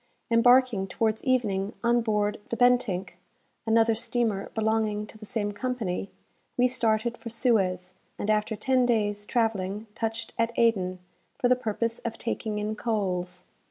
Embarking, towards evening, on board the "Bentinck," another steamer belonging to the same company, we started for Suez, and after ten days' travelling touched at Aden, for the purpose of taking in coals.